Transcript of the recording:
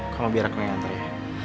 kau mau biar aku yang anterin ya